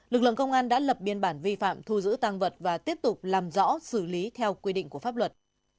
lực lượng công an đã lập biên bản vi phạm thu giữ tăng vật và tiếp tục làm rõ xử lý theo quy định của pháp luật